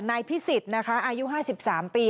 นายพิสิทธิ์นะคะอายุ๕๓ปี